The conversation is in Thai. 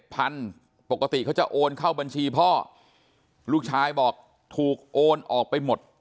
พันปกติเขาจะโอนเข้าบัญชีพ่อลูกชายบอกถูกโอนออกไปหมด